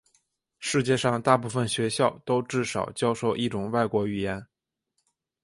世界上大部分学校都至少教授一种外国语言。